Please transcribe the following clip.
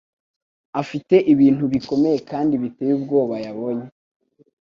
afite ibintu bikomeye kandi biteye ubwoba yabonye.